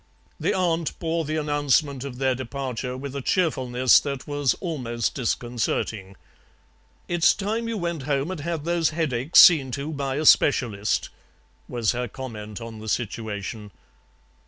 The aunt bore the announcement of their departure with a cheerfulness that was almost disconcerting. "'It's time you went home and had those headaches seen to by a specialist,' was her comment on the situation.